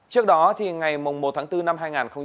trước đó ngày một tháng bốn năm hai nghìn hai mươi